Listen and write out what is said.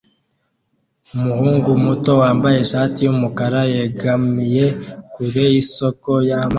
Umuhungu muto wambaye ishati yumukara yegamiye kure yisoko y'amazi